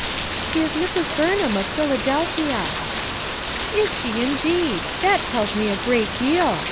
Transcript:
5 ' "She is Mrs. Burnham, of Philadelphia." "Is she indeed! that tells me a great deal!